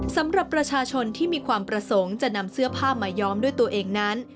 สำหรับประชาชนที่มีความประสงค์จะนำเสื้อผ้ามาย้อมด้วยตัวเองนั้น